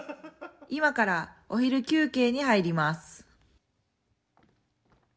「今からお昼休憩に入ります」。